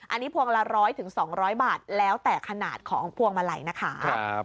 อันนี้พวงละ๑๐๐๒๐๐บาทแล้วแต่ขนาดของพวงมาลัยนะคะ